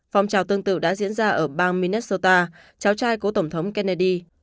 phòng trào tương tự đã diễn ra ở bang minnesota cháu trai của tổng thống kennedy